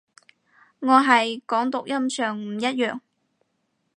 我係講讀音上唔一樣